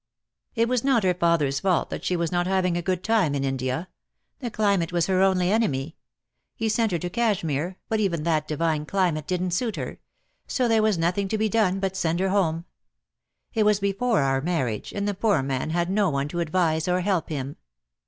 "It was not her father's fault that she was not having a good time in India. The climate was her only enemy. He sent her to Cashmere, but DEAD LOVE HAS CHAINS. 147 even that divine climate didn't suit her — so there was nothing to be done but send her home. It was before our marriage, and the poor man had no one to advise or help him.